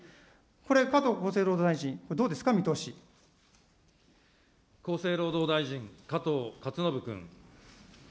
これ、加藤厚生労働大臣、どうで厚生労働大臣、加藤勝信君。